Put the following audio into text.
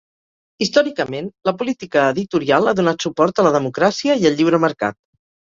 Històricament, la política editorial ha donat suport a la democràcia i el lliure mercat.